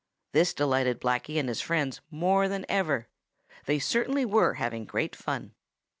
This delighted Blacky and his friends more than ever. They certainly were having great fun.